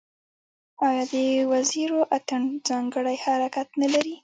آیا د وزیرو اتن ځانګړی حرکت نلري؟